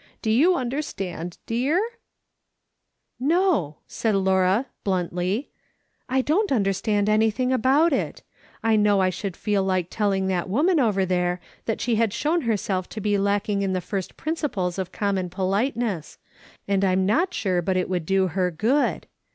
Do you understand, dear ?"" No," said Laura, bluntly, " I don't understand anything about it. I know I should feel like telling that woman over there that she had shown herself to be lacking in the first principles of common politeness, and I'm not sure but it would do her good.